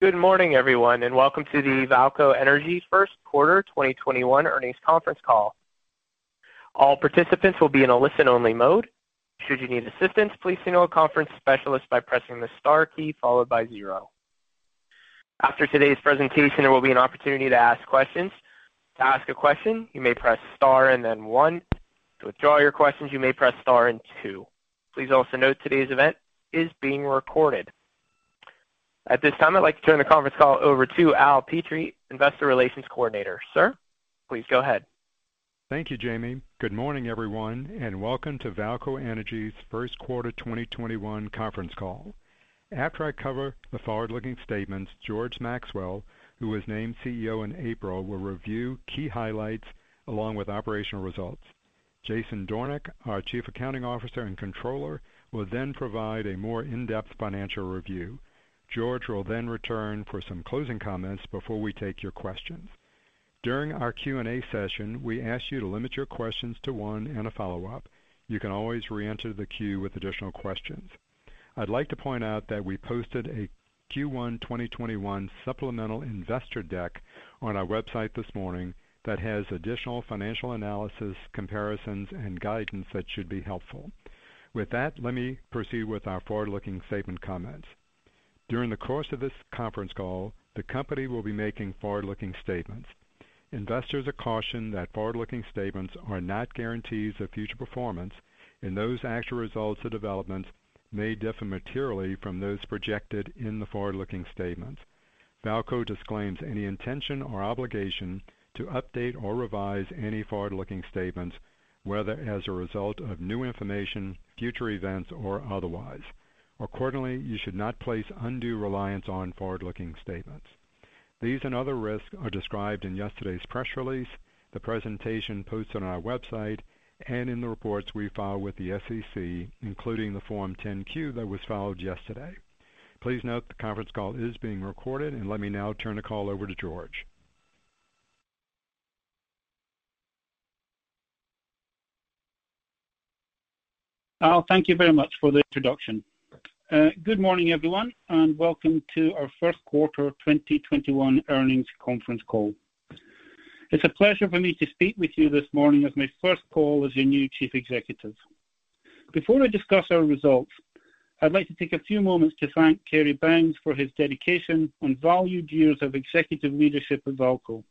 Good morning, everyone, and welcome to the VAALCO Energy first quarter 2021 earnings conference call. All participants will be in a listen-only mode. After today's presentation, there will be an opportunity to ask questions. Please also note today's event is being recorded. At this time, I'd like to turn the conference call over to Al Petrie, Investor Relations Coordinator. Sir, please go ahead. Thank you, Jamie. Good morning, everyone, and welcome to VAALCO Energy's first quarter 2021 conference call. After I cover the forward-looking statements, George Maxwell, who was named CEO in April, will review key highlights along with operational results. Jason Doornik, our Chief Accounting Officer and Controller, will provide a more in-depth financial review. George will return for some closing comments before we take your questions. During our Q&A session, we ask you to limit your questions to one and a follow-up. You can always reenter the queue with additional questions. I'd like to point out that we posted a Q1 2021 supplemental investor deck on our website this morning that has additional financial analysis, comparisons, and guidance that should be helpful. With that, let me proceed with our forward-looking statement comments. During the course of this conference call, the company will be making forward-looking statements. Investors are cautioned that forward-looking statements are not guarantees of future performance, and those actual results or developments may differ materially from those projected in the forward-looking statements. VAALCO disclaims any intention or obligation to update or revise any forward-looking statements, whether as a result of new information, future events, or otherwise. Accordingly, you should not place undue reliance on forward-looking statements. These and other risks are described in yesterday's press release, the presentation posted on our website, and in the reports we file with the SEC, including the Form 10-Q that was filed yesterday. Please note the conference call is being recorded, and let me now turn the call over to George. Al, thank you very much for the introduction. Good morning, everyone, and welcome to our first quarter 2021 earnings conference call. It's a pleasure for me to speak with you this morning as my first call as your new Chief Executive. Before I discuss our results, I'd like to take a few moments to thank Cary Bounds for his dedication and valued years of executive leadership at VAALCO.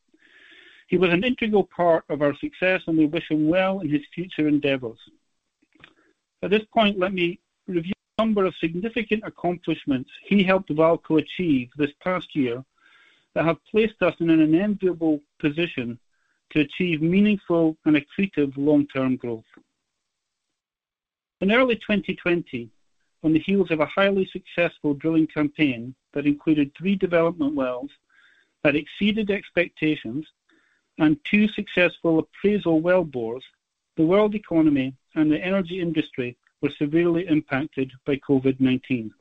He was an integral part of our success, and we wish him well in his future endeavors. At this point, let me review a number of significant accomplishments he helped VAALCO achieve this past year that have placed us in an enviable position to achieve meaningful and accretive long-term growth. In early 2020, on the heels of a highly successful drilling campaign that included three development wells that exceeded expectations and two successful appraisal wellbores, the world economy and the energy industry were severely impacted by COVID-19.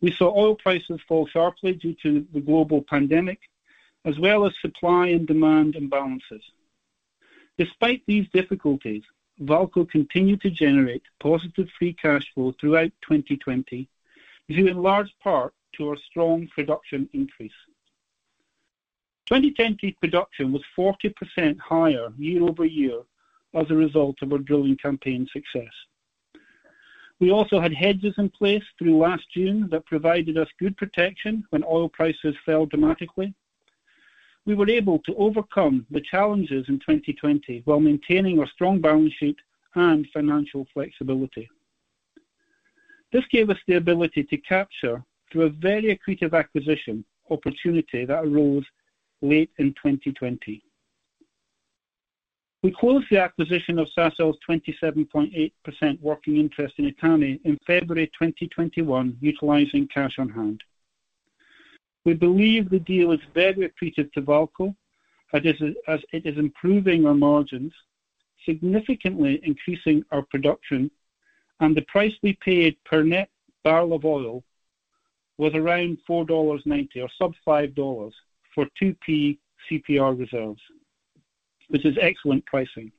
We saw oil prices fall sharply due to the global pandemic, as well as supply and demand imbalances. Despite these difficulties, VAALCO continued to generate positive free cash flow throughout 2020, due in large part to our strong production increase. 2020 production was 40% higher year-over-year as a result of our drilling campaign success. We also had hedges in place through last June that provided us good protection when oil prices fell dramatically. We were able to overcome the challenges in 2020 while maintaining our strong balance sheet and financial flexibility. This gave us the ability to capture through a very accretive acquisition opportunity that arose late in 2020. We closed the acquisition of Sasol's 27.8% working interest in Etame in February 2021, utilizing cash on hand. We believe the deal is very accretive to VAALCO as it is improving our margins, significantly increasing our production, and the price we paid per net barrel of oil was around $4.90 or sub $5.00 For 2P CPR reserves, which is excellent pricing.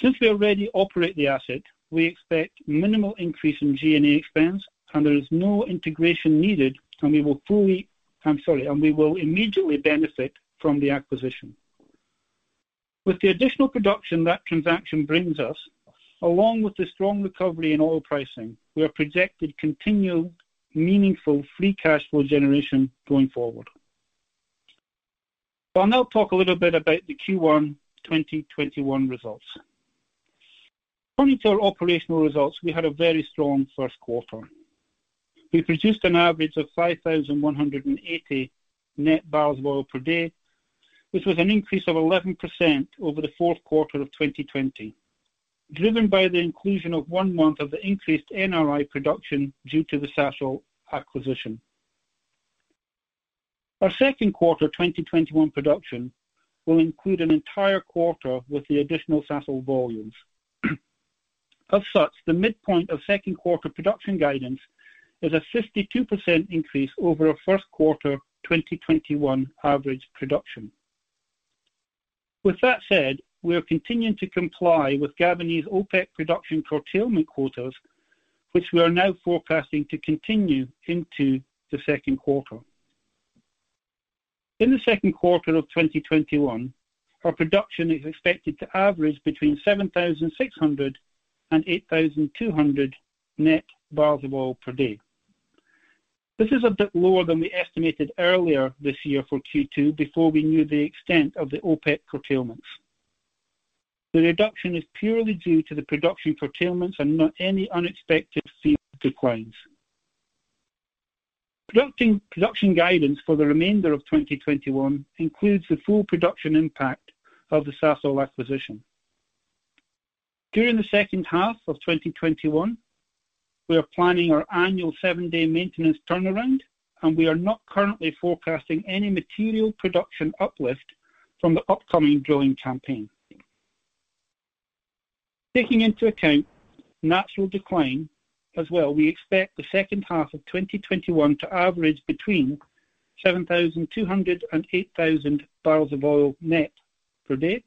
Since we already operate the asset, we expect minimal increase in G&A expense, there is no integration needed, and we will immediately benefit from the acquisition. With the additional production that transaction brings us, along with the strong recovery in oil pricing, we are projected continued meaningful free cash flow generation going forward. I'll now talk a little bit about the Q1 2021 results. Turning to our operational results, we had a very strong first quarter. We produced an average of 5,180 net barrels of oil per day, which was an increase of 11% over the fourth quarter of 2020, driven by the inclusion of one month of the increased NRI production due to the Sasol acquisition. Our second quarter 2021 production will include an entire quarter with the additional Sasol volumes. The midpoint of second quarter production guidance is a 52% increase over our first quarter 2021 average production. We are continuing to comply with governing OPEC production curtailment quotas, which we are now forecasting to continue into the second quarter. In the second quarter of 2021, our production is expected to average between 7,600 and 8,200 net barrels of oil per day. This is a bit lower than we estimated earlier this year for Q2 before we knew the extent of the OPEC curtailments. The reduction is purely due to the production curtailments and not any unexpected field declines. Production guidance for the remainder of 2021 includes the full production impact of the Sasol acquisition. During the second half of 2021, we are planning our annual seven-day maintenance turnaround, and we are not currently forecasting any material production uplift from the upcoming drilling campaign. Taking into account natural decline as well, we expect the second half of 2021 to average between 7,200 and 8,000 barrels of oil net per day,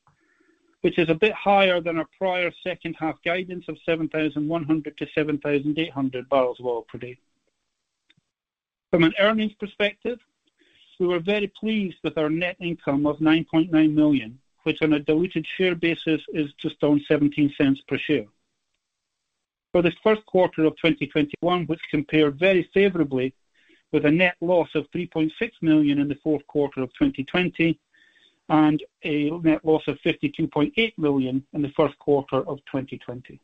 which is a bit higher than our prior second half guidance of 7,100 to 7,800 barrels of oil per day. From an earnings perspective, we were very pleased with our net income of $9.9 million, which on a diluted share basis is just on $0.17 per share. For this first quarter of 2021, which compared very favorably with a net loss of $3.6 million in the fourth quarter of 2020, and a net loss of $52.8 million in the first quarter of 2020.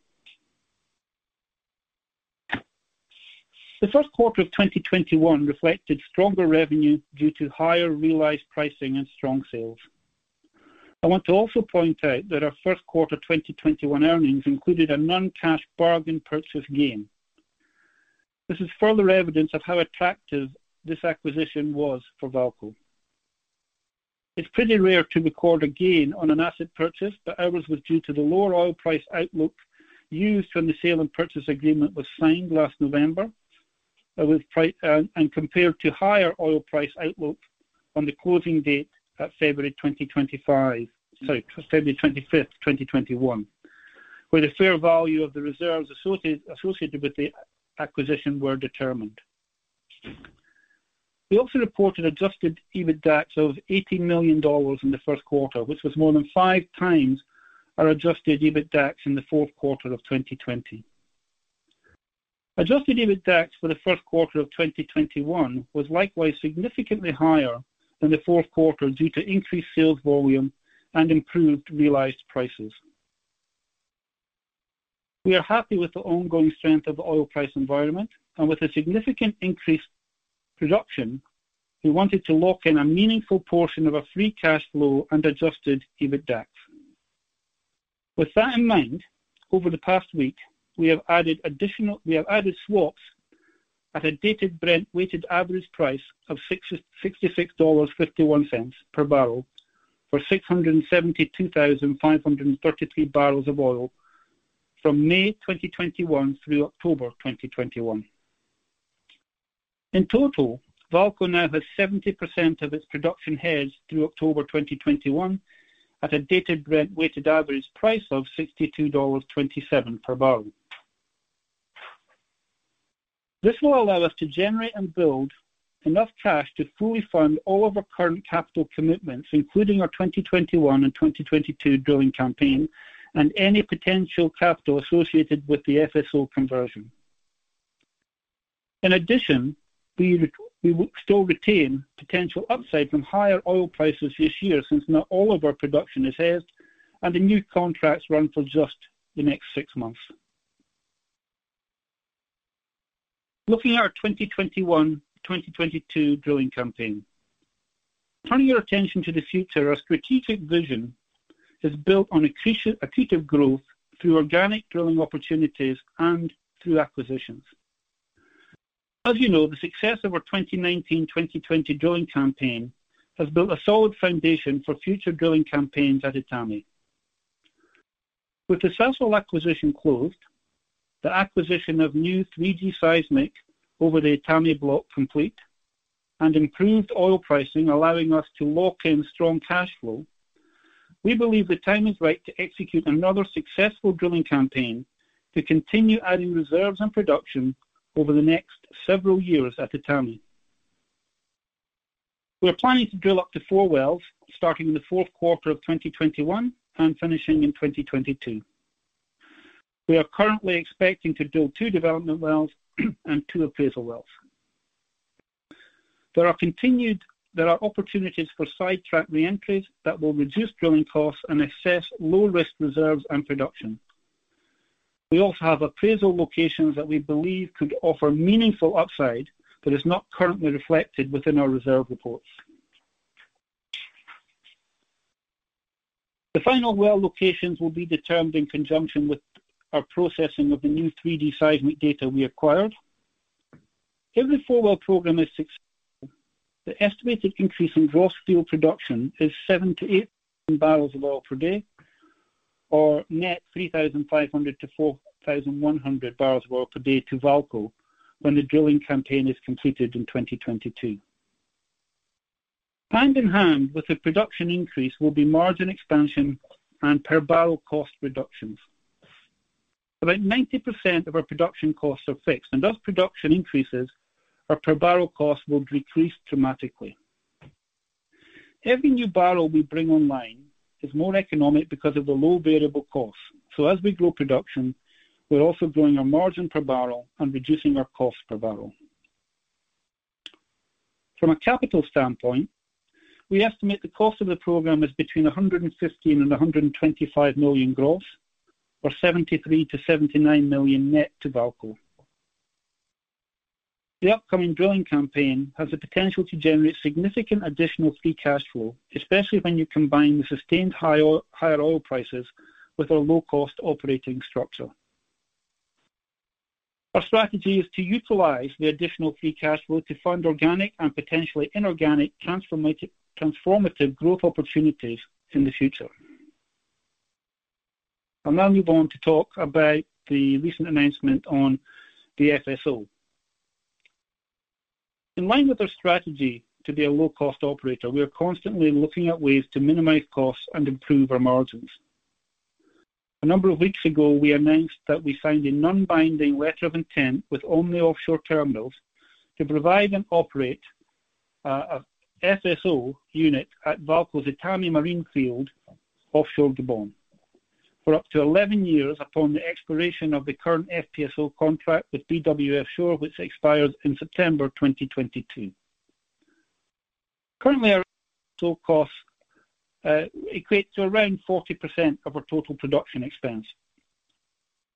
The first quarter of 2021 reflected stronger revenue due to higher realized pricing and strong sales. I want to also point out that our first quarter 2021 earnings included a non-cash bargain purchase gain. This is further evidence of how attractive this acquisition was for VAALCO. It's pretty rare to record a gain on an asset purchase, but ours was due to the lower oil price outlook used when the sale and purchase agreement was signed last November and compared to higher oil price outlook on the closing date, February 25th, 2021, where the fair value of the reserves associated with the acquisition were determined. We also reported adjusted EBITDA of $80 million in the first quarter, which was more than 5x our adjusted EBITDA in the fourth quarter of 2020. Adjusted EBITDA for the first quarter of 2021 was likewise significantly higher than the fourth quarter due to increased sales volume and improved realized prices. We are happy with the ongoing strength of the oil price environment and with a significant increased production, we wanted to lock in a meaningful portion of our free cash flow and adjusted EBITDA. With that in mind, over the past week, we have added swaps at a dated Brent weighted average price of $66.51 per barrel for 672,533 barrels of oil from May 2021 through October 2021. In total, VAALCO now has 70% of its production hedged through October 2021 at a dated Brent weighted average price of $62.27 per barrel. This will allow us to generate and build enough cash to fully fund all of our current capital commitments, including our 2021 and 2022 drilling campaign and any potential capital associated with the FSO conversion. In addition, we will still retain potential upside from higher oil prices this year since not all of our production is hedged and the new contracts run for just the next six months. Looking at our 2021-2022 drilling campaign. Turning your attention to the future, our strategic vision is built on accretive growth through organic drilling opportunities and through acquisitions. As you know, the success of our 2019-2020 drilling campaign has built a solid foundation for future drilling campaigns at Etame. With the Sasol acquisition closed, the acquisition of new 3D seismic over the Etame Block complete, and improved oil pricing allowing us to lock in strong cash flow, we believe the time is right to execute another successful drilling campaign to continue adding reserves and production over the next several years at Etame. We are planning to drill up to four wells, starting in the fourth quarter of 2021 and finishing in 2022. We are currently expecting to drill two development wells and two appraisal wells. There are opportunities for sidetrack reentries that will reduce drilling costs and assess low-risk reserves and production. We also have appraisal locations that we believe could offer meaningful upside that is not currently reflected within our reserve reports. The final well locations will be determined in conjunction with our processing of the new 3D seismic data we acquired. If the four-well program is successful, the estimated increase in gross fuel production is 7,000 to 8,000 barrels of oil per day. Net 3,500 to 4,100 barrels of oil per day to VAALCO when the drilling campaign is completed in 2022. Hand-in-hand with the production increase will be margin expansion and per barrel cost reductions. About 90% of our production costs are fixed, and as production increases, our per barrel cost will decrease dramatically. Every new barrel we bring online is more economic because of the low variable cost. As we grow production, we're also growing our margin per barrel and reducing our cost per barrel. From a capital standpoint, we estimate the cost of the program is between $115 million and $125 million gross or $73 million to $79 million net to VAALCO. The upcoming drilling campaign has the potential to generate significant additional free cash flow, especially when you combine the sustained higher oil prices with our low-cost operating structure. Our strategy is to utilize the additional free cash flow to fund organic and potentially inorganic transformative growth opportunities in the future. I'll now move on to talk about the recent announcement on the FSO. In line with our strategy to be a low-cost operator, we are constantly looking at ways to minimize costs and improve our margins. A number of weeks ago, we announced that we signed a non-binding letter of intent with Omni Offshore Terminals to provide and operate a FSO unit at VAALCO's Etame Marine field offshore Gabon for up to 11 years upon the expiration of the current FPSO contract with BW Offshore, which expires in September 2022. Currently, our total cost equates to around 40% of our total production expense.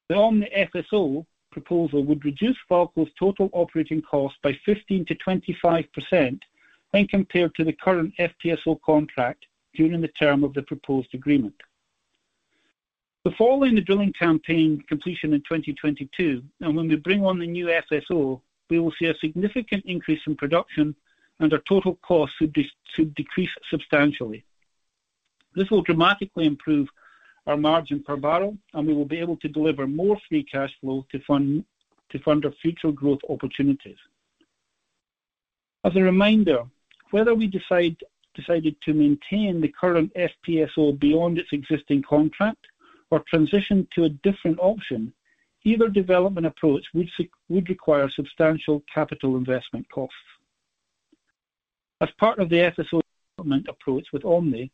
The Omni FSO proposal would reduce VAALCO's total operating cost by 15%-25% when compared to the current FPSO contract during the term of the proposed agreement. Following the drilling campaign completion in 2022, and when we bring on the new FSO, we will see a significant increase in production and our total cost should decrease substantially. This will dramatically improve our margin per barrel, and we will be able to deliver more free cash flow to fund our future growth opportunities. As a reminder, whether we decided to maintain the current FPSO beyond its existing contract or transition to a different option, either development approach would require substantial capital investment costs. As part of the FSO development approach with Omni,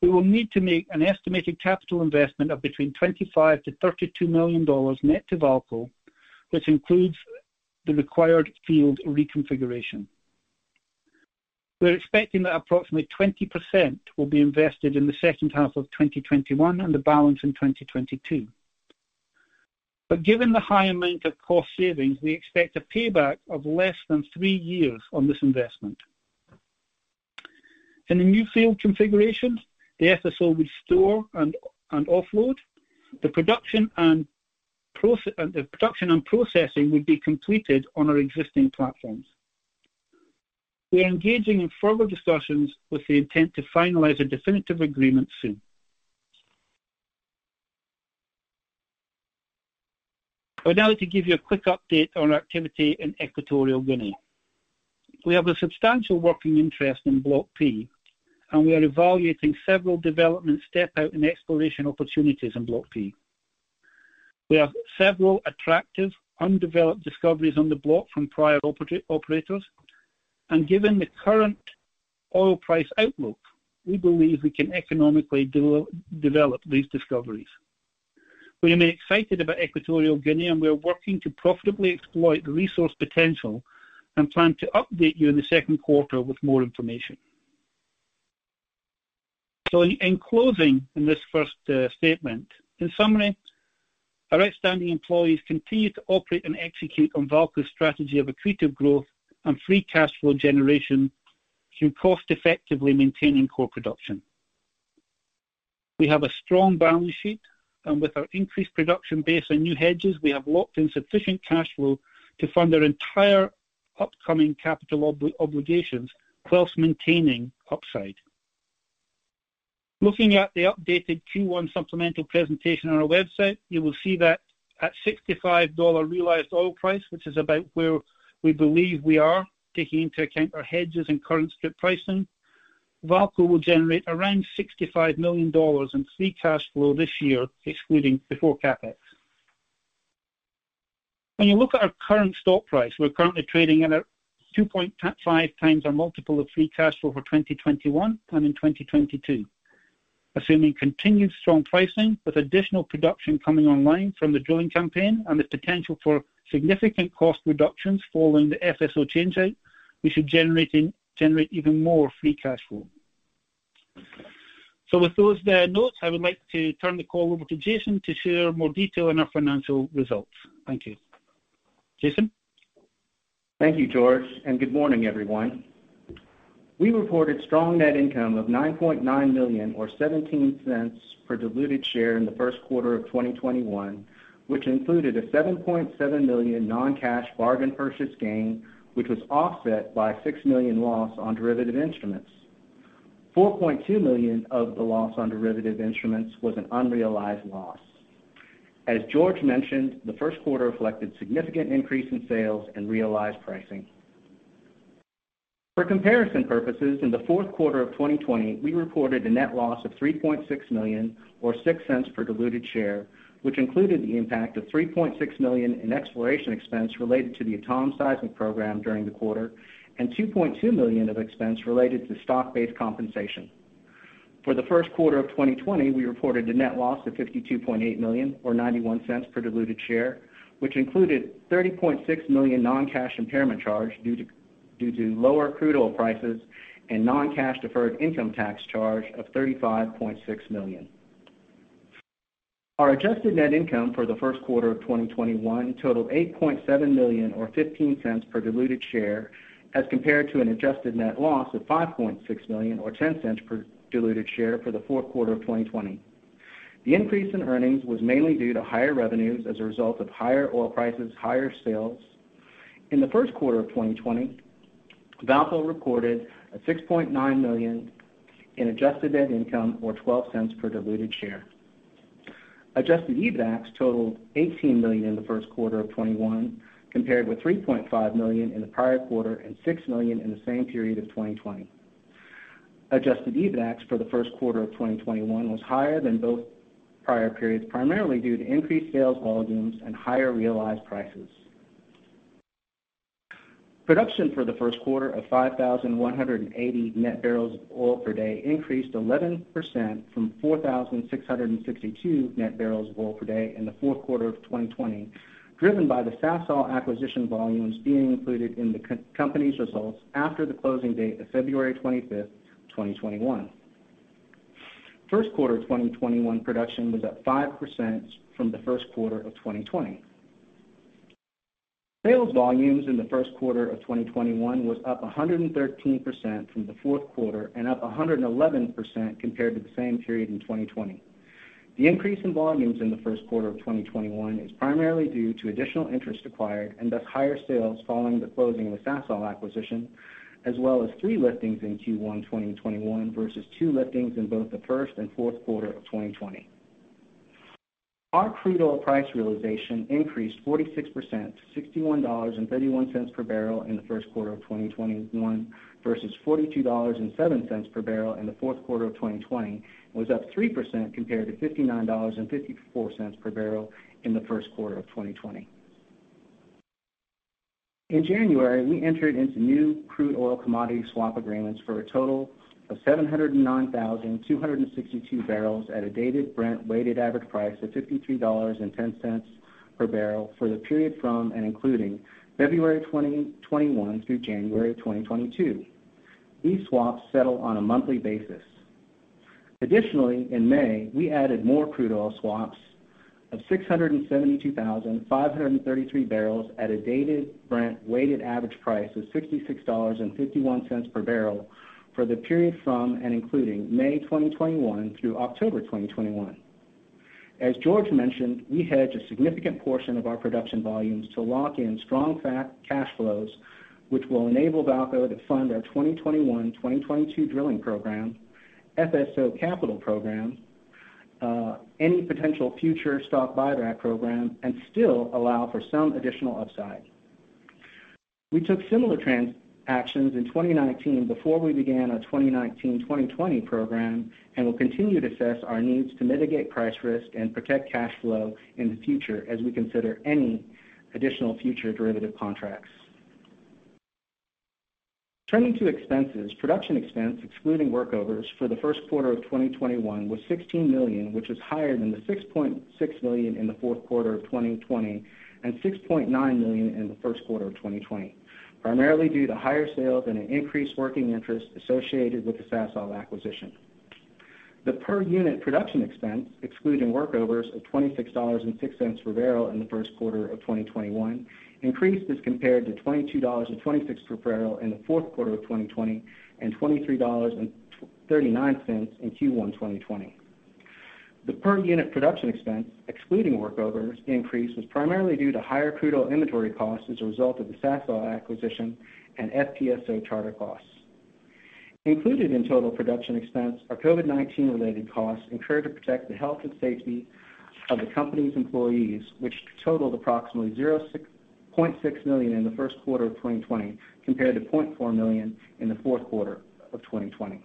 we will need to make an estimated capital investment of between $25 million-$32 million net to VAALCO, which includes the required field reconfiguration. We're expecting that approximately 20% will be invested in the second half of 2021 and the balance in 2022. Given the high amount of cost savings, we expect a payback of less than three years on this investment. In the new field configuration, the FSO will store and offload. The production and processing will be completed on our existing platforms. We are engaging in further discussions with the intent to finalize a definitive agreement soon. I'd now like to give you a quick update on activity in Equatorial Guinea. We have a substantial working interest in Block P, and we are evaluating several development step out and exploration opportunities in Block P. We have several attractive undeveloped discoveries on the block from prior operators. Given the current oil price outlook, we believe we can economically develop these discoveries. We remain excited about Equatorial Guinea, we are working to profitably exploit the resource potential and plan to update you in the second quarter with more information. In closing in this first statement, in summary, our outstanding employees continue to operate and execute on VAALCO's strategy of accretive growth and free cash flow generation through cost effectively maintaining core production. We have a strong balance sheet, with our increased production base and new hedges, we have locked in sufficient cash flow to fund our entire upcoming capital obligations whilst maintaining upside. Looking at the updated Q1 supplemental presentation on our website, you will see that at $65 realized oil price, which is about where we believe we are taking into account our hedges and current strip pricing, VAALCO will generate around $65 million in free cash flow this year, excluding before CapEx. When you look at our current stock price, we're currently trading at a 2.5x our multiple of free cash flow for 2021 and in 2022. Assuming continued strong pricing with additional production coming online from the drilling campaign and the potential for significant cost reductions following the FSO change out, we should generate even more free cash flow. With those notes, I would like to turn the call over to Jason to share more detail on our financial results. Thank you. Jason? Thank you, George, and good morning, everyone. We reported strong net income of $9.9 million or $0.17 per diluted share in the first quarter of 2021, which included a $7.7 million non-cash bargain purchase gain, which was offset by a $6 million loss on derivative instruments. $4.2 million of the loss on derivative instruments was an unrealized loss. As George mentioned, the first quarter reflected significant increase in sales and realized pricing. For comparison purposes, in the fourth quarter of 2020, we reported a net loss of $3.6 million, or $0.06 per diluted share, which included the impact of $3.6 million in exploration expense related to the Etame seismic program during the quarter, and $2.2 million of expense related to stock-based compensation. For the first quarter of 2020, we reported a net loss of $52.8 million, or $0.91 per diluted share, which included $30.6 million non-cash impairment charge due to lower crude oil prices and non-cash deferred income tax charge of $35.6 million. Our adjusted net income for the first quarter of 2021 totaled $8.7 million, or $0.15 per diluted share, as compared to an adjusted net loss of $5.6 million, or $0.10 per diluted share, for the fourth quarter of 2020. The increase in earnings was mainly due to higher revenues as a result of higher oil prices, higher sales. In the first quarter of 2020, VAALCO reported a $6.9 million in adjusted net income, or $0.12 per diluted share. Adjusted EBITDAX totaled $18 million in the first quarter of 2021, compared with $3.5 million in the prior quarter and $6 million in the same period of 2020. Adjusted EBITDAX for the first quarter of 2021 was higher than both prior periods, primarily due to increased sales volumes and higher realized prices. Production for the first quarter of 5,180 net barrels of oil per day increased 11% from 4,662 net barrels of oil per day in the fourth quarter of 2020, driven by the Sasol acquisition volumes being included in the company's results after the closing date of February 25th, 2021. First quarter 2021 production was up 5% from the first quarter of 2020. Sales volumes in the first quarter of 2021 was up 113% from the fourth quarter and up 111% compared to the same period in 2020. The increase in volumes in the first quarter of 2021 is primarily due to additional interest acquired and thus higher sales following the closing of the Sasol acquisition, as well as three liftings in Q1 2021 versus two liftings in both the first and fourth quarter of 2020. Our crude oil price realization increased 46% to $61.31 per barrel in the first quarter of 2021 versus $42.07 per barrel in the fourth quarter of 2020, and was up 3% compared to $59.54 per barrel in the first quarter of 2020. In January, we entered into new crude oil commodity swap agreements for a total of 709,262 barrels at a dated Brent weighted average price of $53.10 per barrel for the period from and including February 2021 through January 2022. These swaps settle on a monthly basis. In May, we added more crude oil swaps of 672,533 barrels at a dated Brent weighted average price of $66.51 per barrel for the period from and including May 2021 through October 2021. As George mentioned, we hedged a significant portion of our production volumes to lock in strong cash flows, which will enable VAALCO to fund our 2021-2022 drilling program, FSO capital program, any potential future stock buyback program, and still allow for some additional upside. We took similar transactions in 2019 before we began our 2019-2020 program and will continue to assess our needs to mitigate price risk and protect cash flow in the future as we consider any additional future derivative contracts. Turning to expenses, production expense excluding workovers for the first quarter of 2021 was $16 million, which is higher than the $6.6 million in the fourth quarter of 2020 and $6.9 million in the first quarter of 2020, primarily due to higher sales and an increased working interest associated with the Sasol acquisition. The per-unit production expense, excluding workovers, of $26.06 per barrel in the first quarter of 2021 increased as compared to $22.26 per barrel in the fourth quarter of 2020 and $23.39 in Q1 2020. The per-unit production expense, excluding workovers, increase was primarily due to higher crude oil inventory costs as a result of the Sasol acquisition and FPSO charter costs. Included in total production expense are COVID-19 related costs incurred to protect the health and safety of the company's employees, which totaled approximately $0.6 million in the first quarter of 2020, compared to $0.4 million in the fourth quarter of 2020.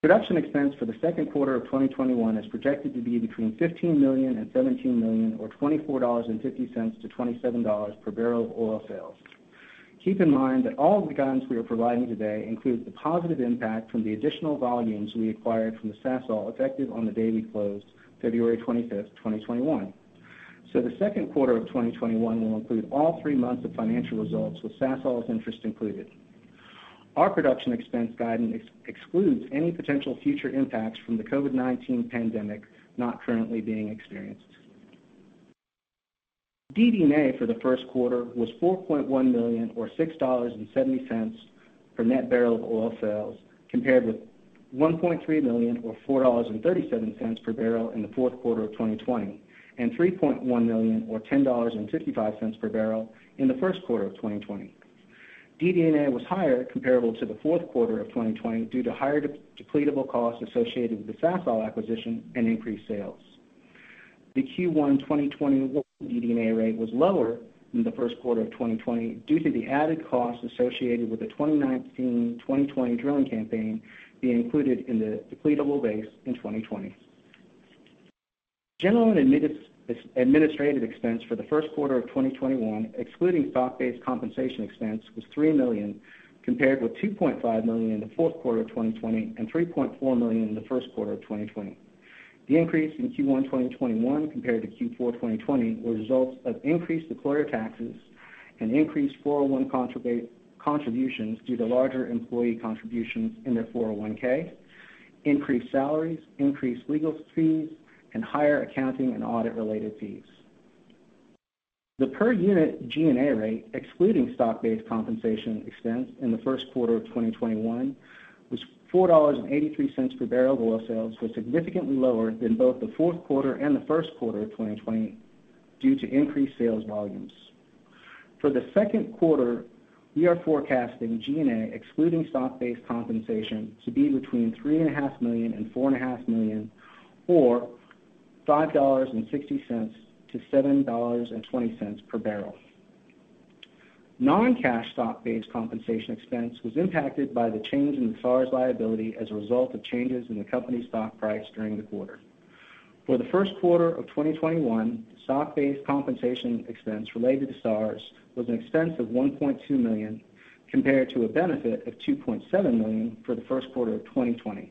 Production expense for the second quarter of 2021 is projected to be between $15 million and $17 million, or $24.50 to $27 per barrel of oil sales. Keep in mind that all of the guidance we are providing today includes the positive impact from the additional volumes we acquired from the Sasol effective on the day we closed, February 25th, 2021. The second quarter of 2021 will include all three months of financial results with Sasol's interest included. Our production expense guidance excludes any potential future impacts from the COVID-19 pandemic not currently being experienced. DD&A for the first quarter was $4.1 million, or $6.70 per net barrel of oil sales, compared with $1.3 million or $4.37 per barrel in the fourth quarter of 2020, and $3.1 million or $10.55 per barrel in the first quarter of 2020. DD&A was higher comparable to the fourth quarter of 2020 due to higher depletable costs associated with the Sasol acquisition and increased sales. The Q1 2021 DD&A rate was lower than the first quarter of 2020 due to the added costs associated with the 2019-2020 drilling campaign being included in the depletable base in 2020. General and administrative expense for the first quarter of 2021, excluding stock-based compensation expense, was $3 million, compared with $2.5 million in the fourth quarter of 2020 and $3.4 million in the first quarter of 2020. The increase in Q1 2021 compared to Q4 2020 was a result of increased employer taxes and increased 401(k) contributions due to larger employee contributions in their 401(k), increased salaries, increased legal fees, and higher accounting and audit-related fees. The per-unit G&A rate, excluding stock-based compensation expense in the first quarter of 2021, was $4.83 per barrel of oil sales was significantly lower than both the fourth quarter and the first quarter of 2020 due to increased sales volumes. For the second quarter, we are forecasting G&A, excluding stock-based compensation, to be between $3.5 million and $4.5 million, or $5.60 to $7.20 per barrel. Non-cash stock-based compensation expense was impacted by the change in the SARs liability as a result of changes in the company stock price during the quarter. For the first quarter of 2021, stock-based compensation expense related to SARs was an expense of $1.2 million, compared to a benefit of $2.7 million for the first quarter of 2020.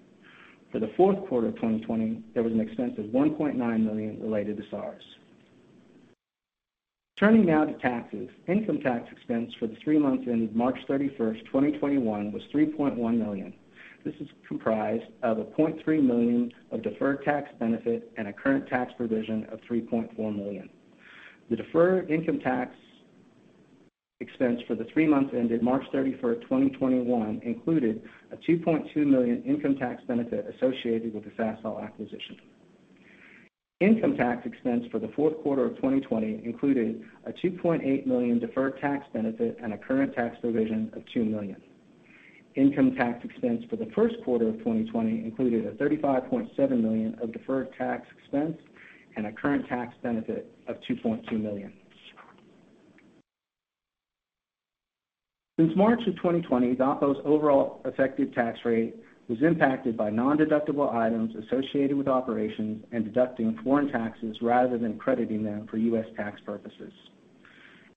For the fourth quarter of 2020, there was an expense of $1.9 million related to SARs. Turning now to taxes. Income tax expense for the three months ended March 31st, 2021 was $3.1 million. This is comprised of $0.3 million of deferred tax benefit and a current tax provision of $3.4 million. The deferred income tax expense for the three months ended March 31st, 2021, included a $2.2 million income tax benefit associated with the Sasol acquisition. Income tax expense for the fourth quarter of 2020 included a $2.8 million deferred tax benefit and a current tax provision of $2 million. Income tax expense for the first quarter of 2020 included a $35.7 million of deferred tax expense and a current tax benefit of $2.2 million. Since March of 2020, VAALCO's overall effective tax rate was impacted by non-deductible items associated with operations and deducting foreign taxes rather than crediting them for U.S. tax purposes.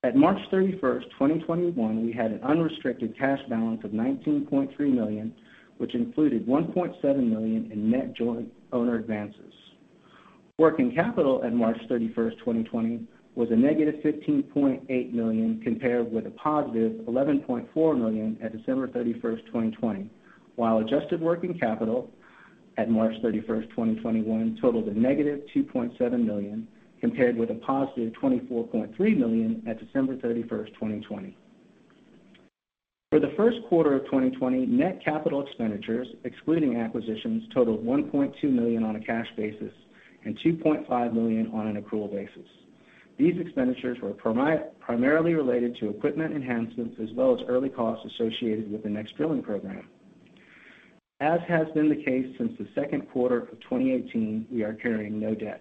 At March 31st, 2021, we had an unrestricted cash balance of $19.3 million, which included $1.7 million in net joint owner advances. Working capital at March 31st, 2020, was a -$15.8 million, compared with a +$11.4 million at December 31st, 2020. Adjusted working capital at March 31st, 2021, totaled a -$2.7 million, compared with a +$24.3 million at December 31st, 2020. For the first quarter of 2020, net capital expenditures excluding acquisitions totaled $1.2 million on a cash basis and $2.5 million on an accrual basis. These expenditures were primarily related to equipment enhancements as well as early costs associated with the next drilling program. As has been the case since the second quarter of 2018, we are carrying no debt.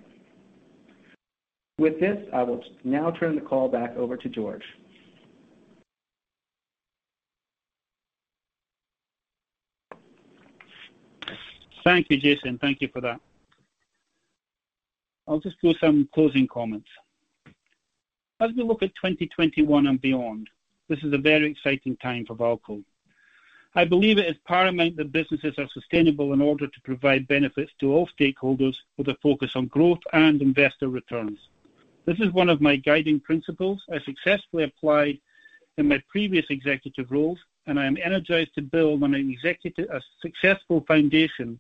With this, I will now turn the call back over to George. Thank you, Jason. Thank you for that. I'll just do some closing comments. As we look at 2021 and beyond, this is a very exciting time for VAALCO. I believe it is paramount that businesses are sustainable in order to provide benefits to all stakeholders with a focus on growth and investor returns. This is one of my guiding principles I successfully applied in my previous executive roles, and I am energized to build on a successful foundation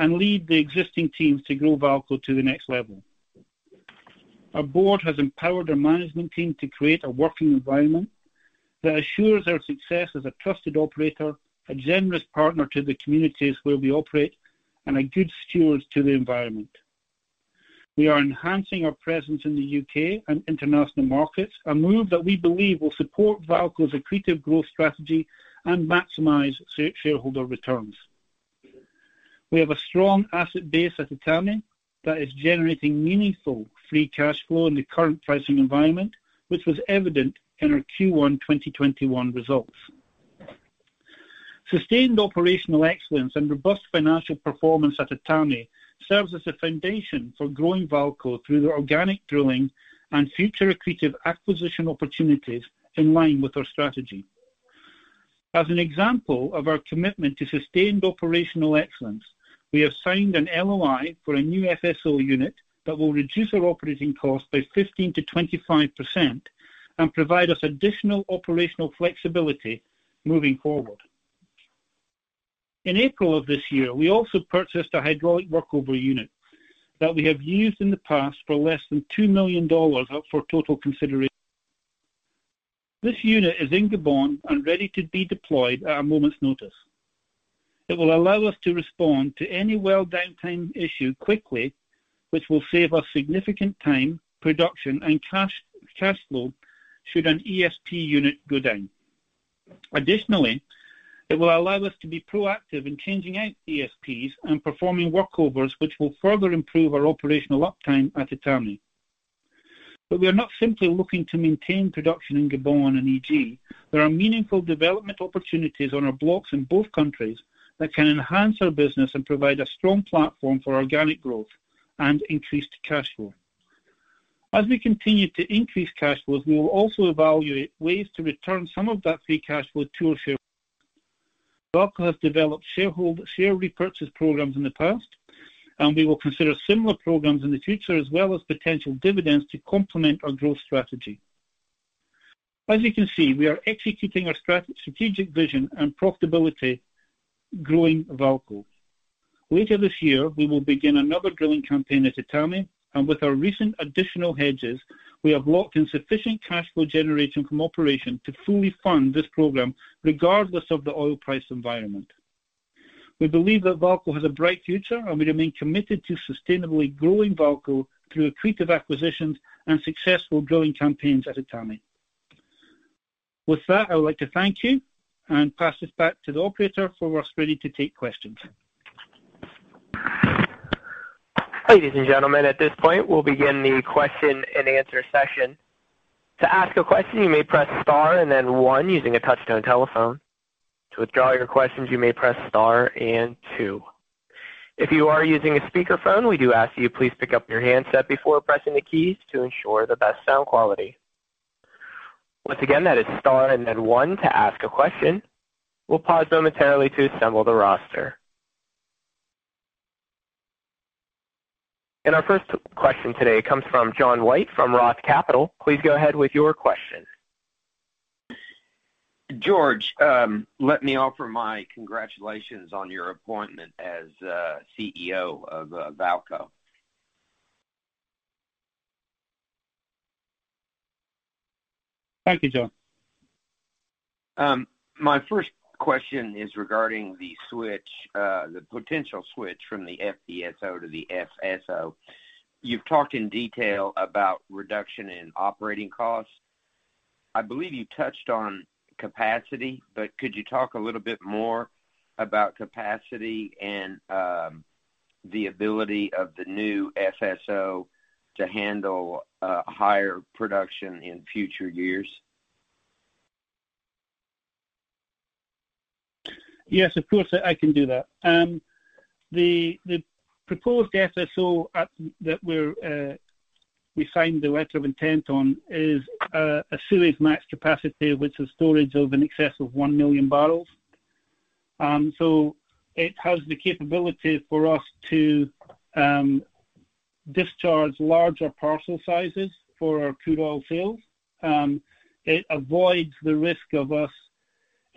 and lead the existing teams to grow VAALCO to the next level. Our board has empowered our management team to create a working environment that assures our success as a trusted operator, a generous partner to the communities where we operate, and a good steward to the environment. We are enhancing our presence in the U.K. and international markets, a move that we believe will support VAALCO's accretive growth strategy and maximize shareholder returns. We have a strong asset base at Etame that is generating meaningful free cash flow in the current pricing environment, which was evident in our Q1 2021 results. Sustained operational excellence and robust financial performance at Etame serves as a foundation for growing VAALCO through organic drilling and future accretive acquisition opportunities in line with our strategy. As an example of our commitment to sustained operational excellence, we have signed an LOI for a new FSO unit that will reduce our operating costs by 15%-25% and provide us additional operational flexibility moving forward. In April of this year, we also purchased a hydraulic workover unit that we have used in the past for less than $2 million for total consideration. This unit is in Gabon and ready to be deployed at a moment's notice. It will allow us to respond to any well downtime issue quickly, which will save us significant time, production, and cash flow should an ESP unit go down. Additionally, it will allow us to be proactive in changing out ESPs and performing workovers, which will further improve our operational uptime at Etame. We are not simply looking to maintain production in Gabon and EG. There are meaningful development opportunities on our blocks in both countries that can enhance our business and provide a strong platform for organic growth and increased cash flow. As we continue to increase cash flows, we will also evaluate ways to return some of that free cash flow to our shareholders. VAALCO has developed share repurchase programs in the past, and we will consider similar programs in the future, as well as potential dividends to complement our growth strategy. As you can see, we are executing our strategic vision and profitability growing VAALCO. Later this year, we will begin another drilling campaign at Etame, and with our recent additional hedges, we have locked in sufficient cash flow generation from operation to fully fund this program regardless of the oil price environment. We believe that VAALCO has a bright future, and we remain committed to sustainably growing VAALCO through accretive acquisitions and successful drilling campaigns at Etame. With that, I would like to thank you and pass this back to the operator who is ready to take questions. Ladies and gentlemen, at this point, we'll begin the question-and-answer session. To ask a question, you may press star and then one using a touch-tone telephone. To withdraw your questions, you may press star and two. If you are using a speakerphone, we do ask you please pick-up your handset before pressing the keys to ensure the best sound quality. Once again, that is star and then one to ask a question. We'll pause momentarily to assemble the roster. Our first question today comes from John White from ROTH Capital. Please go ahead with your question. George, let me offer my congratulations on your appointment as CEO of VAALCO. Thank you, John. My first question is regarding the potential switch from the FPSO to the FSO. You've talked in detail about reduction in operating costs. I believe you touched on capacity, but could you talk a little bit more about capacity and the ability of the new FSO to handle higher production in future years? Yes, of course, I can do that. The proposed FSO that we signed the letter of intent on is a Suezmax capacity, which has storage of in excess of 1 million barrels. It has the capability for us to discharge larger parcel sizes for our crude oil sales. It avoids the risk of us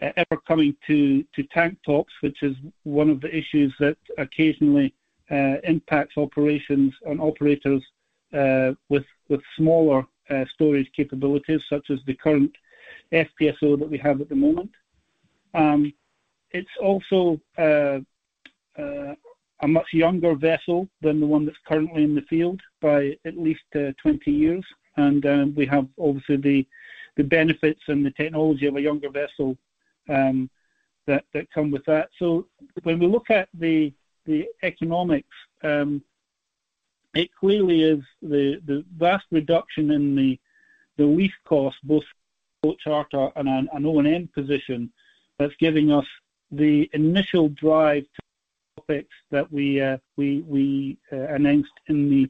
ever coming to tank tops, which is one of the issues that occasionally impacts operations on operators with smaller storage capabilities, such as the current FPSO that we have at the moment. It's also a much younger vessel than the one that's currently in the field by at least 20 years. We have obviously the benefits and the technology of a younger vessel that come with that. When we look at the economics, it clearly is the vast reduction in the lease cost, both charter and an O&M position that's giving us the initial drive to topics that we announced in the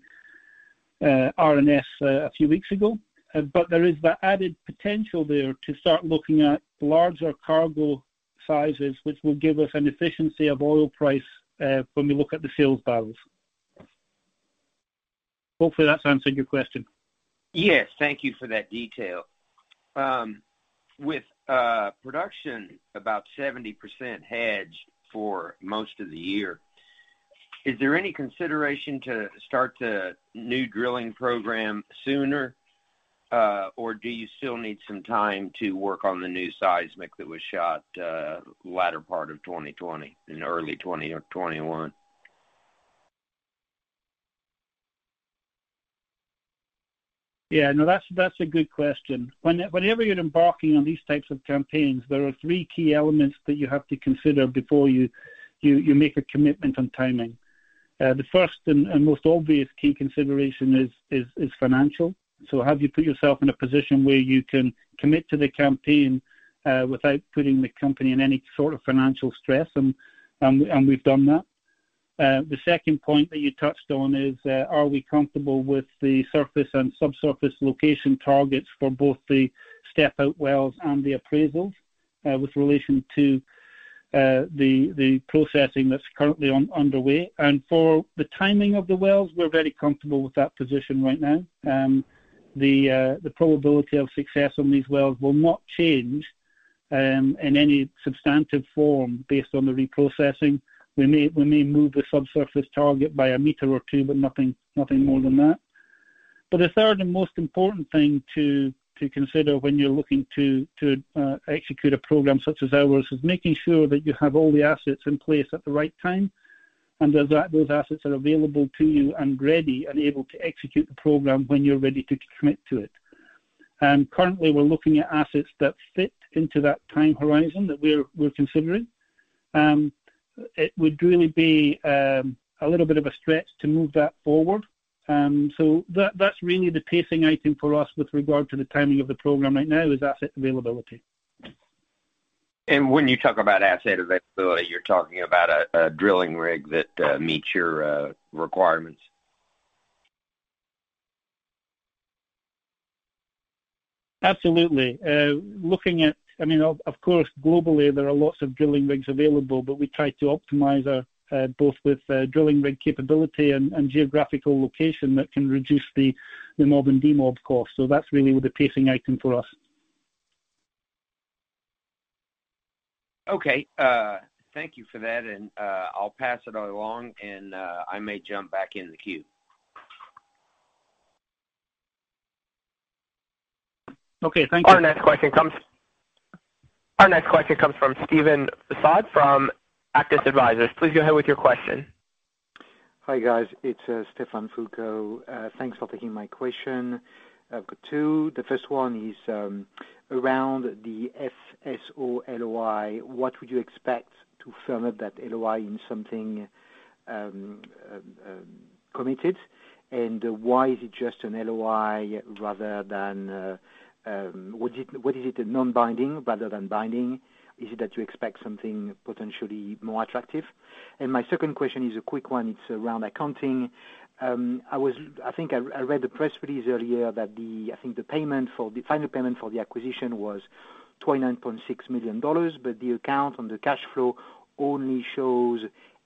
RNS a few weeks ago. There is the added potential there to start looking at larger cargo sizes, which will give us an efficiency of oil price when we look at the sales barrels. Hopefully that's answered your question. Yes. Thank you for that detail. With production about 70% hedged for most of the year, is there any consideration to start the new drilling program sooner? Do you still need some time to work on the new seismic that was shot latter part of 2020 and early 2021? Yeah. No, that's a good question. Whenever you're embarking on these types of campaigns, there are three key elements that you have to consider before you make a commitment on timing. The first and most obvious key consideration is financial. Have you put yourself in a position where you can commit to the campaign without putting the company in any sort of financial stress? We've done that. The second point that you touched on is, are we comfortable with the surface and subsurface location targets for both the step-out wells and the appraisals with relation to the processing that's currently underway? For the timing of the wells, we're very comfortable with that position right now. The probability of success on these wells will not change. Any substantive form based on the reprocessing, we may move a subsurface target by a meter or two, but nothing more than that. The third and most important thing to consider when you're looking to execute a program such as ours, is making sure that you have all the assets in place at the right time, and that those assets are available to you and ready and able to execute the program when you're ready to commit to it. Currently, we're looking at assets that fit into that time horizon that we're considering. It would really be a little bit of a stretch to move that forward. That's really the pacing item for us with regard to the timing of the program right now is asset availability. When you talk about asset availability, you're talking about a drilling rig that meets your requirements. Absolutely. Of course, globally, there are lots of drilling rigs available. We try to optimize both with drilling rig capability and geographical location that can reduce the mob and demob cost. That's really the pacing item for us. Okay. Thank you for that. I'll pass it along. I may jump back in the queue. Okay. Thank you. Our next question comes from Stephane Foucaud from Auctus Advisors. Please go ahead with your question. Hi, guys. It's Stephane Foucaud. Thanks for taking my question. I've got two. The first one is around the FSO LOI. What would you expect to firm up that LOI in something committed, and why is it just an LOI rather than What is it a non-binding rather than binding? Is it that you expect something potentially more attractive? My second question is a quick one. It's around accounting. I think I read the press release earlier that I think the final payment for the acquisition was $29.6 million, but the account on the cash flow only shows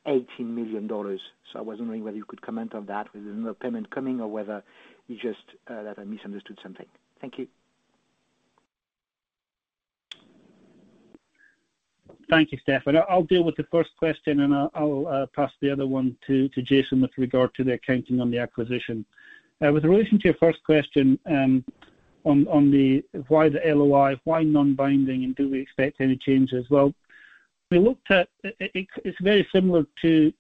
$18 million. I was wondering whether you could comment on that, whether there's another payment coming or whether it's just that I misunderstood something. Thank you. Thank you, Stephane. I'll deal with the first question, and I'll pass the other one to Jason with regard to the accounting on the acquisition. With relation to your first question on the why the LOI, why non-binding, and do we expect any changes? Well, it's very similar to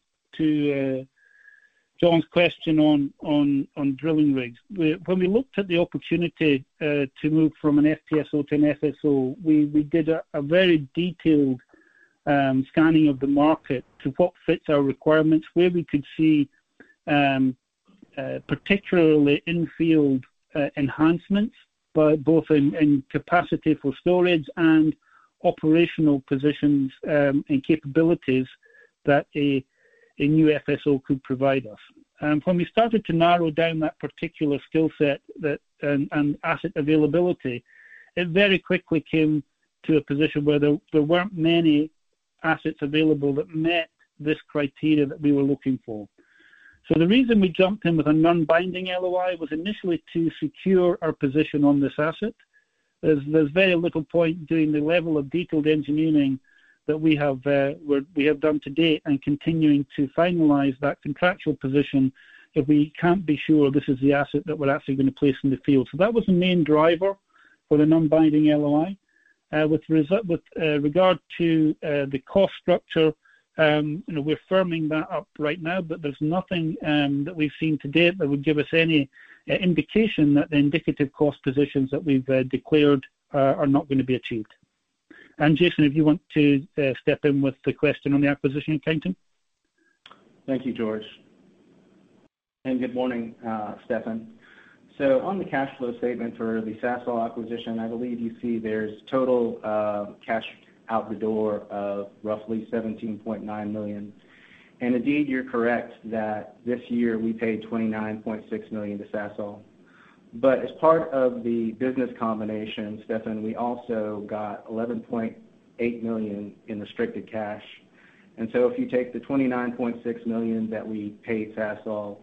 John's question on drilling rigs. When we looked at the opportunity to move from an FPSO to an FSO, we did a very detailed scanning of the market to what fits our requirements, where we could see particularly in-field enhancements, both in capacity for storage and operational positions and capabilities that a new FSO could provide us. When we started to narrow down that particular skill set and asset availability, it very quickly came to a position where there weren't many assets available that met this criteria that we were looking for. The reason we jumped in with a non-binding LOI was initially to secure our position on this asset. There's very little point doing the level of detailed engineering that we have done to date and continuing to finalize that contractual position if we can't be sure this is the asset that we're actually going to place in the field. That was the main driver for the non-binding LOI. With regard to the cost structure, we're firming that up right now, but there's nothing that we've seen to date that would give us any indication that the indicative cost positions that we've declared are not going to be achieved. Jason, if you want to step in with the question on the acquisition accounting. Thank you, George. Good morning, Stephane. On the cash flow statement for the Sasol acquisition, I believe you see there's total cash out the door of roughly $17.9 million. Indeed, you're correct that this year we paid $29.6 million to Sasol. As part of the business combination, Stephane, we also got $11.8 million in restricted cash. If you take the $29.6 million that we paid Sasol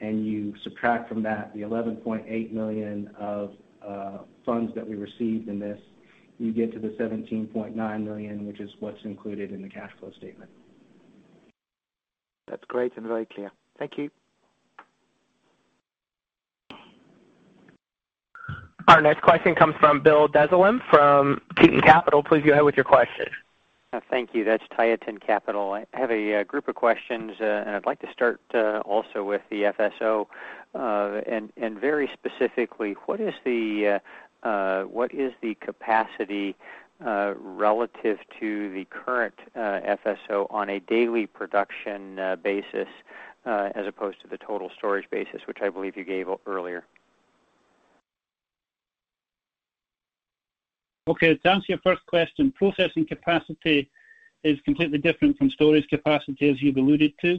and you subtract from that the $11.8 million of funds that we received in this, you get to the $17.9 million, which is what's included in the cash flow statement. That's great and very clear. Thank you. Our next question comes from Bill Dezellem from Tieton Capital. Please go ahead with your question. Thank you. That's Tieton Capital. I have a group of questions, and I'd like to start, also, with the FSO, and very specifically, what is the capacity relative to the current FSO on a daily production basis as opposed to the total storage basis, which I believe you gave earlier? Okay. To answer your first question, processing capacity is completely different from storage capacity, as you've alluded to.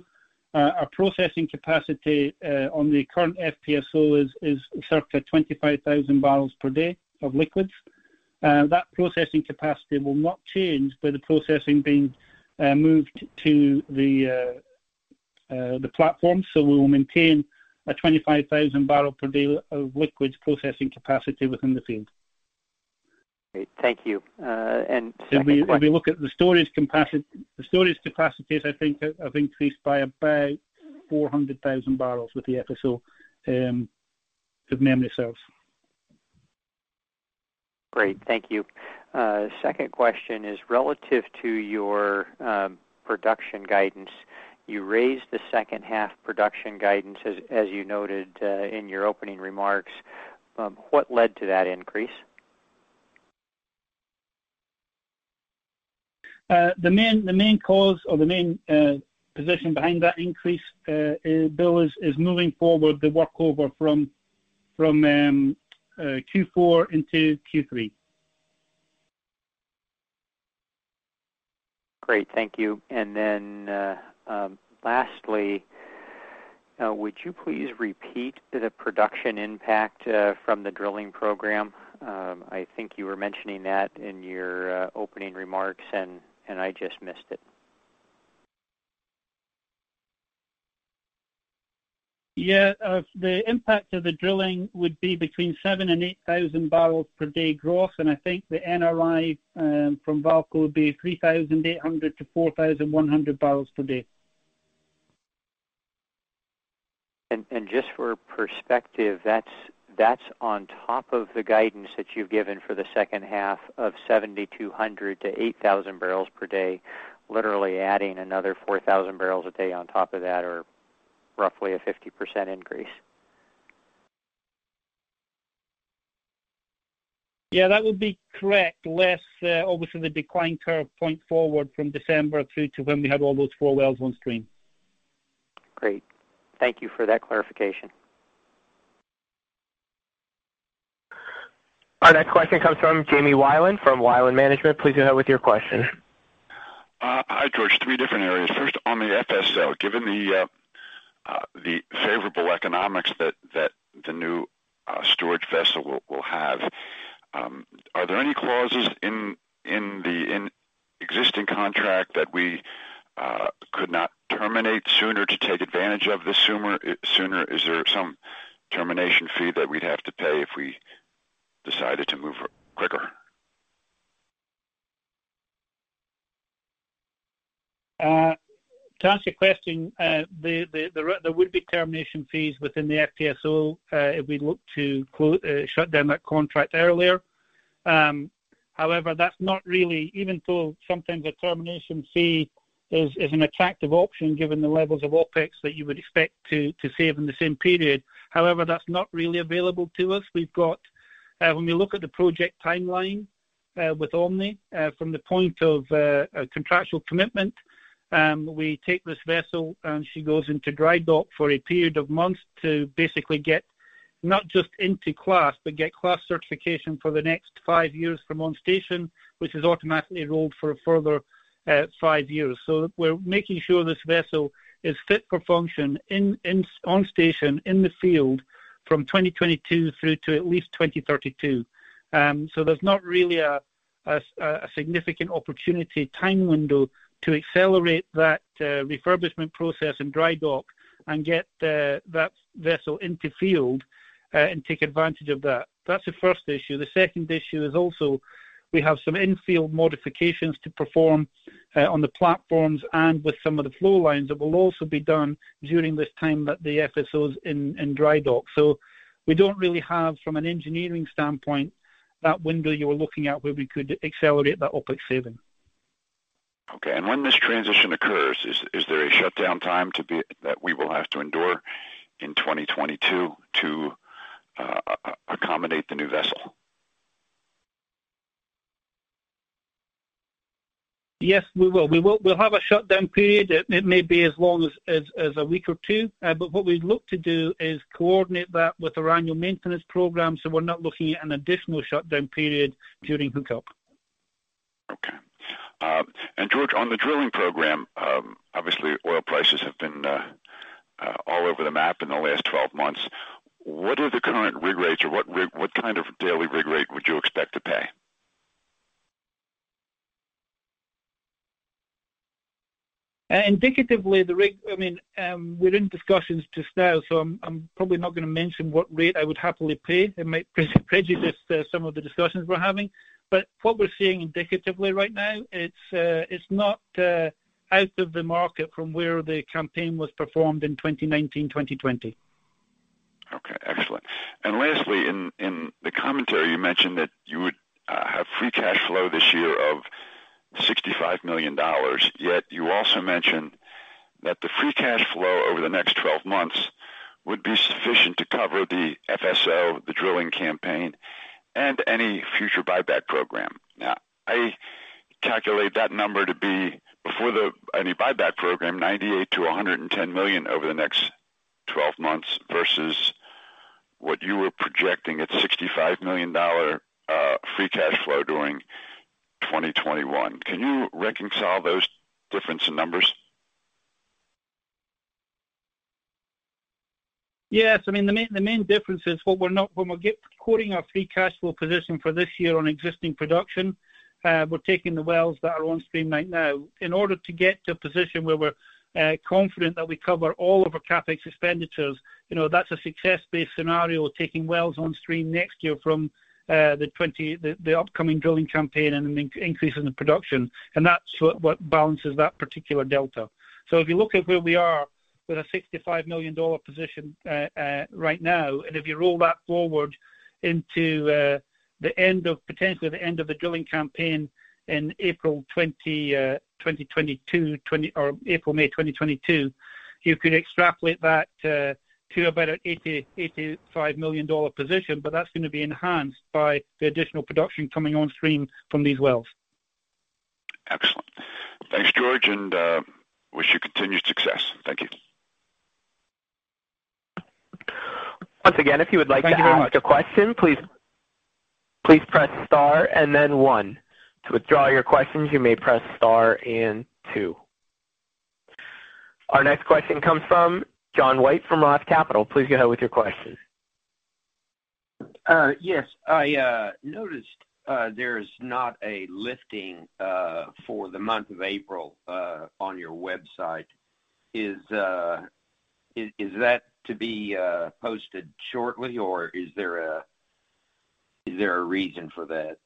Our processing capacity on the current FPSO is circa 25,000 barrels per day of liquids. That processing capacity will not change by the processing being moved to the platform. We will maintain a 25,000 barrel per day of liquids processing capacity within the field. Great. Thank you. Second question. If we look at the storage capacities, I think have increased by about 400,000 barrels with the FSO, if memory serves. Great. Thank you. Second question is relative to your production guidance. You raised the second half production guidance, as you noted in your opening remarks. What led to that increase? The main cause or the main position behind that increase, Bill, is moving forward the workover from Q4 into Q3. Great. Thank you. Lastly, would you please repeat the production impact from the drilling program? I think you were mentioning that in your opening remarks, and I just missed it. Yeah. The impact of the drilling would be between 7,000 and 8,000 barrels per day growth, and I think the NRI from VAALCO would be 3,800-4,100 barrels per day. Just for perspective, that's on top of the guidance that you've given for the second half of 7,200-8,000 barrels per day, literally adding another 4,000 barrels a day on top of that, or roughly a 50% increase. Yeah, that would be correct, less, obviously, the decline curve point forward from December through to when we have all those four wells on stream. Great. Thank you for that clarification. Our next question comes from James Wilen from Wilen Management. Please go ahead with your question. Hi, George. Three different areas. First, on the FSO, given the favorable economics that the new storage vessel will have, are there any clauses in the existing contract that we could not terminate sooner to take advantage of this sooner? Is there some termination fee that we'd have to pay if we decided to move quicker? To answer your question, there would be termination fees within the FPSO, if we look to shut down that contract earlier. Even though sometimes a termination fee is an attractive option given the levels of OpEx that you would expect to save in the same period, however, that's not really available to us. When we look at the project timeline with Omni, from the point of contractual commitment, we take this vessel, and she goes into dry dock for a period of months to basically get, not just into class, but get class certification for the next five years from on station, which is automatically rolled for a further five years. We're making sure this vessel is fit for function on station in the field from 2022 through to at least 2032. There's not really a significant opportunity time window to accelerate that refurbishment process in dry dock and get that vessel into field, and take advantage of that. That's the first issue. The second issue is also we have some in-field modifications to perform on the platforms and with some of the flow lines that will also be done during this time that the FSO is in dry dock. We don't really have, from an engineering standpoint, that window you're looking at where we could accelerate that OpEx saving. Okay. When this transition occurs, is there a shutdown time that we will have to endure in 2022 to accommodate the new vessel? Yes, we will. We'll have a shutdown period. It may be as long as a week or two. What we'd look to do is coordinate that with our annual maintenance program so we're not looking at an additional shutdown period during hookup. Okay. George, on the drilling program, obviously oil prices have been all over the map in the last 12 months. What are the current rig rates or what kind of daily rig rate would you expect to pay? Indicatively, the rig, we're in discussions just now. I'm probably not going to mention what rate I would happily pay. It might prejudice some of the discussions we're having. What we're seeing indicatively right now, it's not out of the market from where the campaign was performed in 2019-2020. Okay. Excellent. Lastly, in the commentary, you mentioned that you would have free cash flow this year of $65 million. Yet you also mentioned that the free cash flow over the next 12 months would be sufficient to cover the FSO, the drilling campaign, and any future buyback program. I calculate that number to be, before any buyback program, $98 million-$110 million over the next 12 months versus what you were projecting at $65 million free cash flow during 2021. Can you reconcile those difference in numbers? Yes. I mean, the main difference is when we're quoting our free cash flow position for this year on existing production, we're taking the wells that are on stream right now. In order to get to a position where we're confident that we cover all of our CapEx expenditures, that's a success-based scenario, taking wells on stream next year from the upcoming drilling campaign and an increase in the production. That's what balances that particular delta. If you look at where we are with a $65 million position right now, and if you roll that forward into potentially the end of the drilling campaign in April, May 2022, you could extrapolate that to about an $85 million position, that's going to be enhanced by the additional production coming on stream from these wells. Excellent. Thanks, George, and wish you continued success. Thank you. Once again, if you would like to ask a question, please press star and then one. To withdraw your questions, you may press star and two. Our next question comes from John White from ROTH Capital. Please go ahead with your question. Yes. I noticed there's not a lifting for the month of April on your website. Is that to be posted shortly, or is there a reason for that?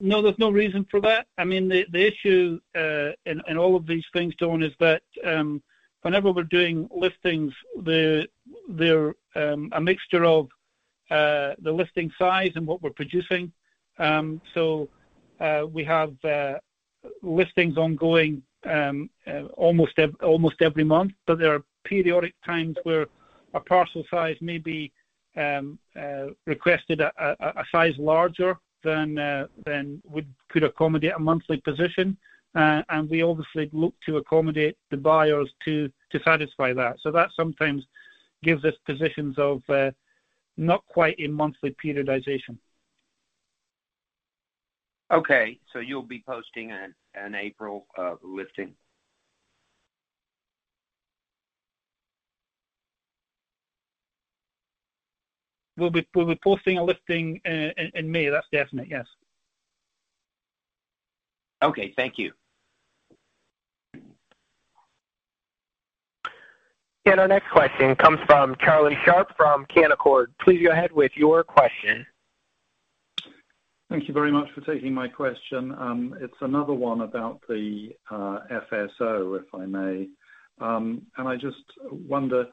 No, there's no reason for that. I mean, the issue in all of these things, John, is that whenever we're doing liftings, they're a mixture of the lifting size and what we're producing. We have liftings ongoing almost every month, but there are periodic times where a parcel size may be requested at a size larger than we could accommodate a monthly position. We obviously look to accommodate the buyers to satisfy that. That sometimes gives us positions of not quite a monthly periodization. Okay. You'll be posting an April lifting. We'll be posting a lifting in May, that's definite, yes. Okay, thank you. Our next question comes from Charlie Sharp from Canaccord. Please go ahead with your question. Thank you very much for taking my question. It's another one about the FSO, if I may. I just wonder,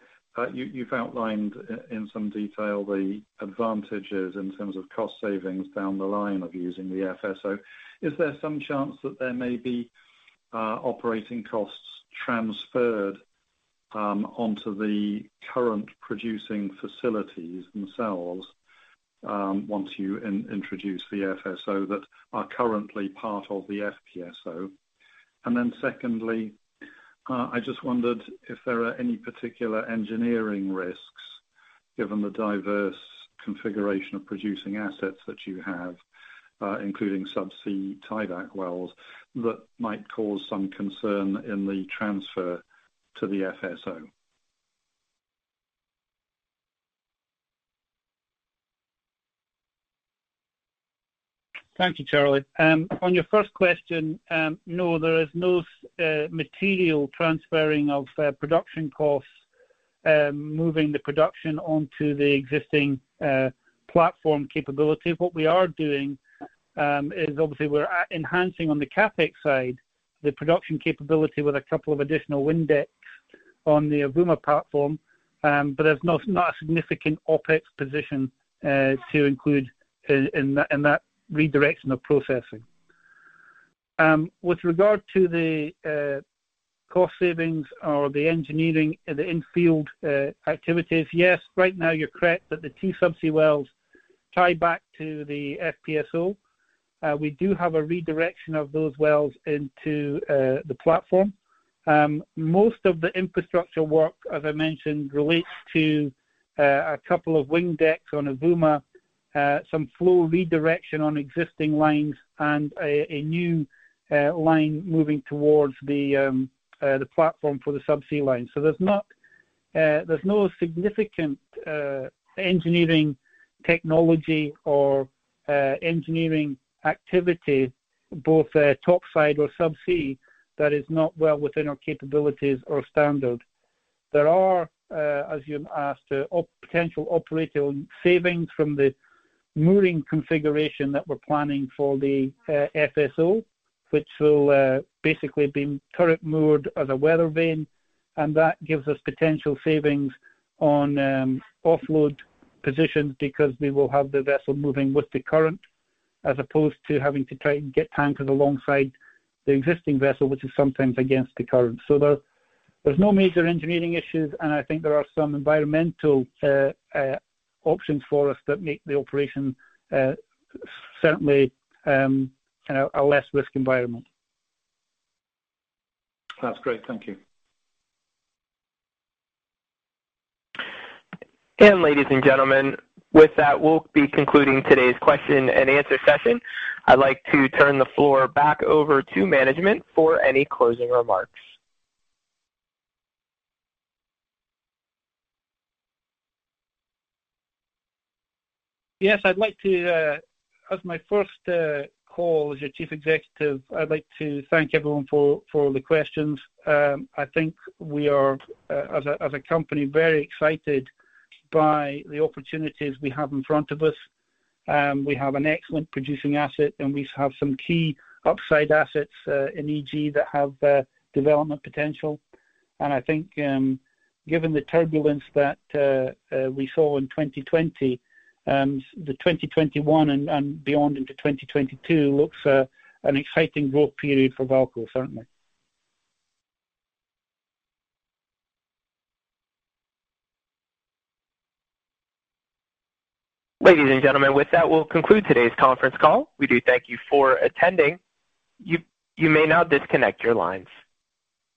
you've outlined in some detail the advantages in terms of cost savings down the line of using the FSO. Is there some chance that there may be operating costs transferred onto the current producing facilities themselves once you introduce the FSO that are currently part of the FPSO? Secondly, I just wondered if there are any particular engineering risks, given the diverse configuration of producing assets that you have, including subsea tieback wells, that might cause some concern in the transfer to the FSO. Thank you, Charlie. On your first question, no, there is no material transferring of production costs moving the production onto the existing platform capability. What we are doing is obviously we're enhancing on the CapEx side, the production capability with a couple of additional wing decks on the Avouma platform. There's not a significant OpEx position to include in that redirection of processing. With regard to the cost savings or the engineering, the infield activities, yes, right now you're correct that the two subsea wells tie back to the FPSO. We do have a redirection of those wells into the platform. Most of the infrastructure work, as I mentioned, relates to a couple of wing decks on Avouma, some flow redirection on existing lines, and a new line moving towards the platform for the subsea line. There's no significant engineering technology or engineering activity, both topside or subsea, that is not well within our capabilities or standard. There are, as you asked, potential operating savings from the mooring configuration that we're planning for the FSO, which will basically be turret moored as a weather vane, and that gives us potential savings on offload positions because we will have the vessel moving with the current, as opposed to having to try and get anchored alongside the existing vessel, which is sometimes against the current. There's no major engineering issues, and I think there are some environmental options for us that make the operation certainly a less risk environment. That's great. Thank you. Ladies and gentlemen, with that, we'll be concluding today's question-and-answer session. I'd like to turn the floor back over to management for any closing remarks. Yes, as my first call as your Chief Executive, I'd like to thank everyone for the questions. I think we are, as a company, very excited by the opportunities we have in front of us. We have an excellent producing asset, and we have some key upside assets in EG that have development potential. And I think given the turbulence that we saw in 2020, the 2021 and beyond into 2022 looks an exciting growth period for VAALCO, certainly. Ladies and gentlemen, with that, we'll conclude today's conference call. We do thank you for attending. You may now disconnect your lines.